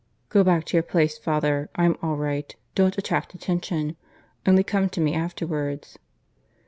"Go back to your place, father. I'm all right. Don't attract attention. Only come to me afterwards."